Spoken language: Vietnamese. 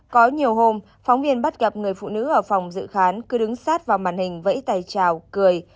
có nhiều hôm phóng viên bắt gặp người phụ nữ ở phòng dự khán cứ đứng sát vào màn hình vẫy tay trào cười